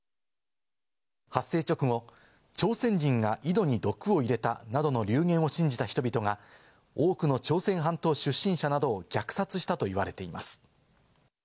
発生直後、朝鮮人が井戸に毒を入れたなどの流言を信じた人々が多くの朝鮮半島出身者などを虐殺したと言われています。